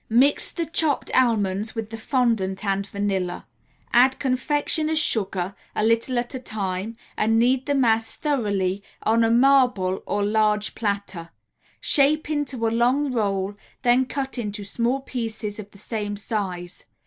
Mix the chopped almonds with the fondant and vanilla; add confectioner's sugar, a little at a time, and knead the mass thoroughly, on a marble or large platter; shape into a long roll, then cut into small pieces of the same size.